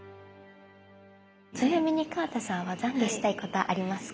ちなみに河田さんは懺悔したいことありますか？